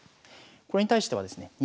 これに対してはですね